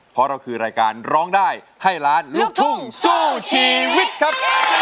เพราะเราคือรายการร้องได้ให้ล้านลูกทุ่งสู้ชีวิตครับ